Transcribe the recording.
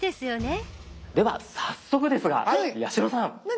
では早速ですが八代さん。何？